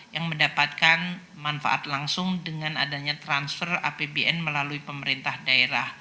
yang mendapatkan manfaat langsung dengan adanya transfer apbn melalui pemerintah daerah